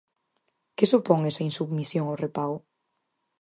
Que supón esa insubmisión ao repago?